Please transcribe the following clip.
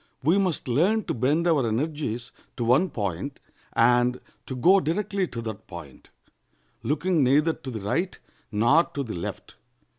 We must learn to bend our energies to one point, and to go directly to that point, looking neither to the right nor to the left.